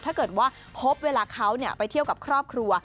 ถ้าเกิดว่าพบเวลาเขาไปเที่ยวกับครอบครัว